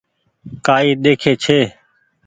ڪآئي ڏيکي ڇي ۔